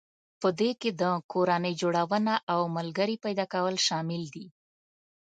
په دې کې د کورنۍ جوړونه او ملګري پيدا کول شامل دي.